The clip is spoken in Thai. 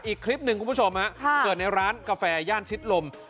อีกคลิปหนึ่งคุณผู้ชมเกิดในร้านกาแฟย่านชิดลม